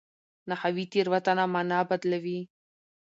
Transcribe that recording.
نحوي تېروتنه مانا بدلوي.